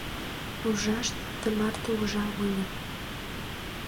Ужшаш тымарте ужам ыле.